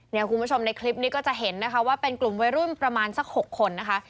คุณผู้ชมในคลิปนี้ก็จะเห็นนะคะว่าเป็นกลุ่มวัยรุ่นประมาณสัก๖คนนะคะ